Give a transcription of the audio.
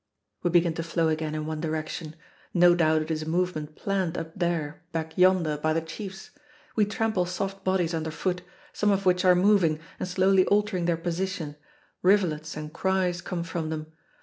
We begin to flow again in one direction. No doubt it is a movement planned up there, back yonder, by the chiefs. We trample soft bodies underfoot, some of which are moving and slowly altering their position; rivulets and cries come from them.